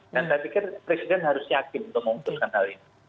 dan saya pikir presiden harus yakin untuk mengutuskan hal ini